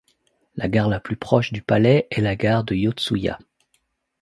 La gare la plus proche du palais est la gare de Yotsuya.